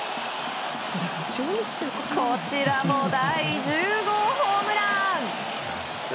こちらも、第１０号ホームラン！